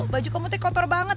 baju kamu tuh kotor banget